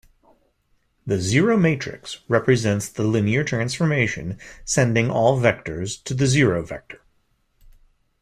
The zero matrix represents the linear transformation sending all vectors to the zero vector.